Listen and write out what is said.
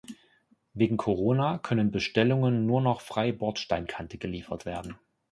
Wegen Corona können Bestellungen nur noch frei Bordsteinkante geliefert werden.